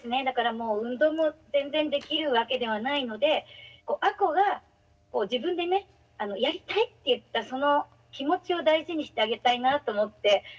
だからもう運動も全然できるわけではないので亜子が自分でねやりたいって言ったその気持ちを大事にしてあげたいなと思って。